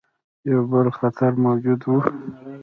یو بل خطر موجود وو.